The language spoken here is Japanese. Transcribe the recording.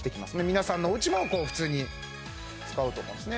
皆さんのおうちも普通に使うと思うんですね